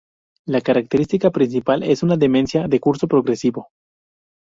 La característica principal es una demencia de curso progresivo.